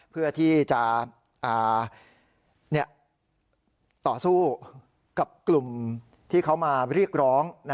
เพื่อที่จะต่อสู้กับกลุ่มที่เขามาเรียกร้อง